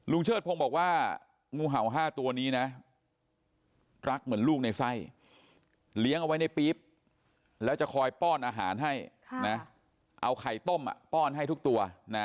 เชิดพงศ์บอกว่างูเห่า๕ตัวนี้นะรักเหมือนลูกในไส้เลี้ยงเอาไว้ในปี๊บแล้วจะคอยป้อนอาหารให้นะเอาไข่ต้มป้อนให้ทุกตัวนะ